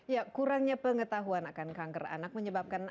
ya kurangnya pengetahuan akan kanker anak menyebabkan